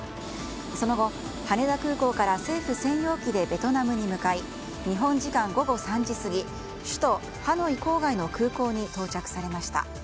その後、羽田空港から政府専用機でベトナムに向かい日本時間午後３時過ぎ首都ハノイ郊外の空港に到着されました。